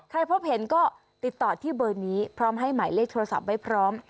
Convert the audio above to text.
พบเห็นก็ติดต่อที่เบอร์นี้พร้อมให้หมายเลขโทรศัพท์ไว้พร้อม